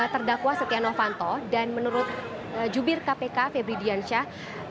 terdakwa setia novanto dan menurut jubir kpk febri diansyah